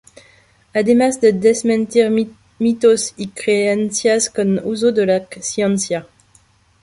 Además de desmentir mitos y creencias con uso de la ciencia.